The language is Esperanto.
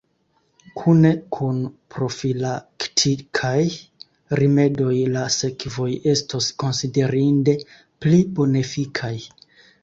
Kune kun profilaktikaj rimedoj la sekvoj estos konsiderinde pli bonefikaj.